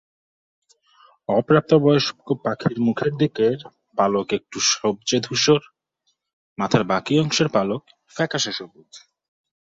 অপ্রাপ্তবয়স্ক পাখির মুখের দিকের পালক একটু সবজে-ধূসর, মাথার বাকি অংশের পালক ফ্যাকাসে সবুজ।